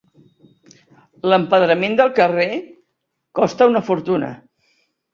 L'empedrament del carrer costa una fortuna.